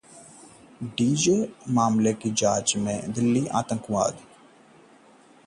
dean Jones visa मामले की जांच करेगा पाक गृह मंत्रालय